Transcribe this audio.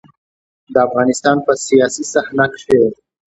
د افغانستان په سياسي صحنه کې.